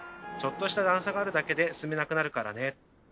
ちょっとした段差があるだけで進めなくなるからね。